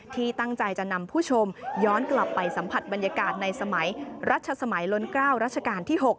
ที่ตั้งใจจะนำผู้ชมย้อนกลับไปสัมผัสบรรยากาศในสมัยรัชสมัยล้น๙รัชกาลที่๖